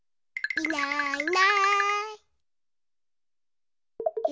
いないいない。